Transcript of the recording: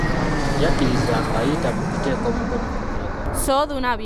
Yakkiriza ng'ayita mu kuteeka omukono ku ndagaano.